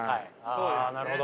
あなるほど。